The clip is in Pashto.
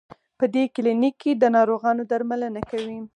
په دې کلینک کې د ناروغانو درملنه کوي.